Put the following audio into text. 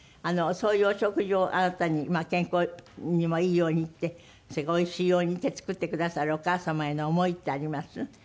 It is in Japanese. そういうお食事をあなたに健康にもいいようにってそれからおいしいようにって作ってくださるお母様への思いってあります？